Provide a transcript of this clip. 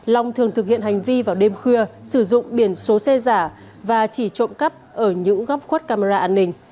long thường thực hiện hành vi vào đêm khuya sử dụng biển số xe giả và chỉ trộm cắp ở những góc khuất camera an ninh